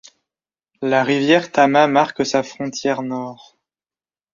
La rivière Tama marque sa frontière nord.